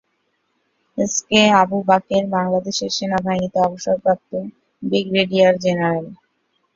S K Abu Bakar Bangladesh সেনাবাহিনীর অবসরপ্রাপ্ত brigadier general.